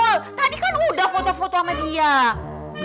oh tadi kan udah foto foto sama dia